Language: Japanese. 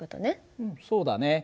うんそうだね。